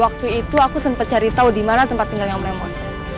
waktu itu aku sempet cari tau dimana tempat tinggal yang mulemos